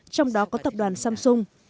trong đó có tập đoàn samsung